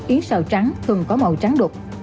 yến xào trắng thường có màu trắng đục